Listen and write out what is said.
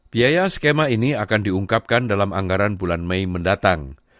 biaya skema ini akan diungkapkan dalam anggaran bulan mei mendatang